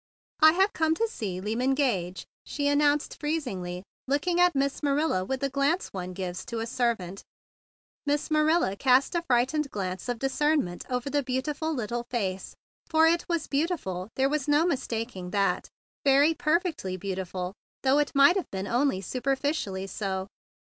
"I have come to see Lyman Gage," she announced freezingly, looking at Miss Marilla with the glance one gives to a servant. Miss Marilla cast a frightened glance of discernment over the beautiful little face. For it was beautiful, there was no mistaking that, very perfectly beautiful, though it might have been only superficially so.